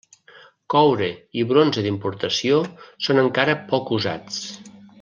Coure i bronze d'importació són encara poc usats.